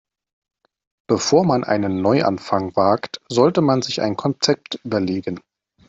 Bevor man einen Neuanfang wagt, sollte man sich ein Konzept überlegen.